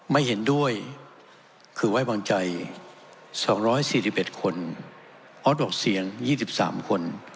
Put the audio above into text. ไม่เห็นด้วยคือไว้วางใจ๒๔๑คนออสออกเสียง๒๓คน